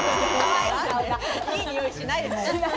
いい匂いしないです。